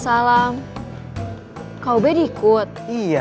siapa pun nggak tahu ya